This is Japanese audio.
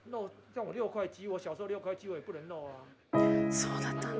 そうだったんだ。